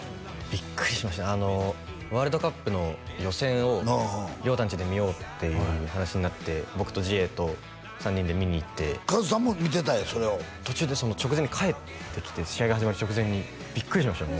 ビックリしましたワールドカップの予選を太んちで見ようっていう話になって僕と時英と３人で見に行ってカズさんも見てたんやそれを途中でその直前に帰ってきて試合が始まる直前にビックリしましたよ